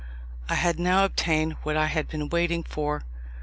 I had now obtained what I had been waiting for.